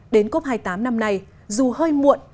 đến cop hai mươi tám năm nay dù hơi muộn